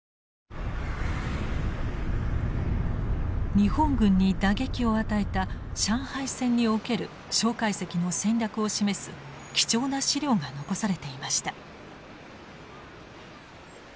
日本軍に打撃を与えた上海戦における介石の戦略を示す貴重な資料が残されていました。